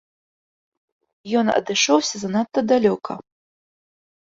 Ён адышоўся занадта далёка.